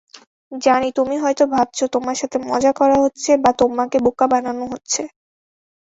জানি তুমি হয়তো ভাবছো তোমার সাথে মজা করা হচ্ছে বা তোমাকে বোকা বানানো হচ্ছে।